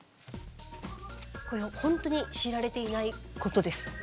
これほんとに知られていないことです。